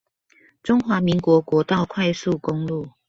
中華民國國道快速公路